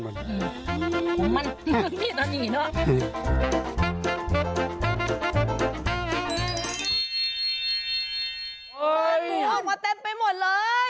โอ้ดูออกมาเต็มไปหมดเลย